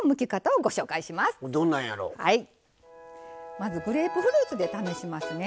まずグレープフルーツで試しますね。